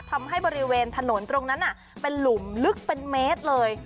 ทำให้บริเวณถนนตรงนั้นเป็นหลุมลึกเป็นเมตรเลย